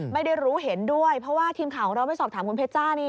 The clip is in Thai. ไม่ได้รู้เห็นด้วยเพราะว่าทีมข่าวของเราไปสอบถามคุณเพชจ้านี่